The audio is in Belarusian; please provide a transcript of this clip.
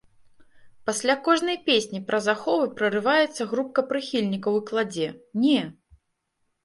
Пасля кожнай песні праз аховы прарываецца групка прыхільнікаў і кладзе, не!